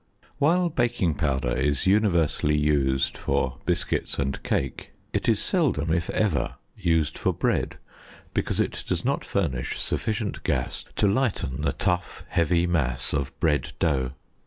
While baking powder is universally used for biscuits and cake, it is seldom, if ever, used for bread, because it does not furnish sufficient gas to lighten the tough heavy mass of bread dough.